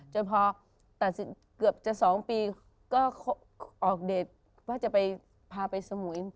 จนพอเกือบจะสองปีก็ออกเดทว่าจะไปพาไปสมุย